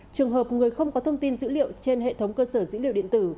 trường hợp người không có thông tin dữ liệu trên hệ thống cơ sở dữ liệu điện tử